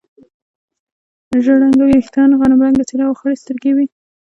ژړ رنګه وریښتان، غنم رنګه څېره او خړې سترګې یې وې.